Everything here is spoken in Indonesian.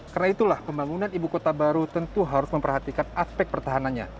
karena itulah pembangunan ibu kota baru tentu harus memperhatikan aspek pertahanannya